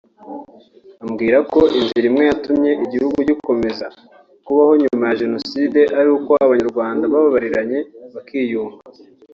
ambwira ko inzira imwe yatumye igihugu gikomeza kubaho nyuma ya Jenoside ari uko Abanyarwanda bababariranye bakiyunga